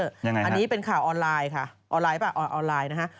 อันนี้เป็นข่าวออนไลน์ค่ะออนไลน์ป่ะออนไลน์นะฮะ